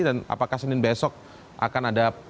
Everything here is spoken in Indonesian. dan apakah senin besok akan ada